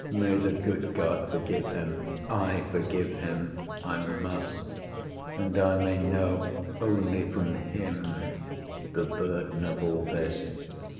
May the good God forgive Him. ... I forgive Him. I must; and I may know only from Him The burden of all this.